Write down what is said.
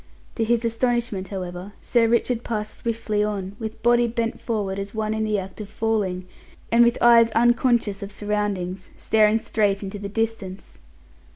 To his astonishment, however, Sir Richard passed swiftly on, with body bent forward as one in the act of falling, and with eyes unconscious of surroundings, staring straight into the distance.